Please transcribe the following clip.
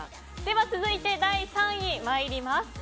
続いて、第３位参ります。